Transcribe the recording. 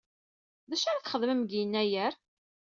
D acu ara txedmem deg Yennayer?